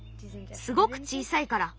すごく小さいから。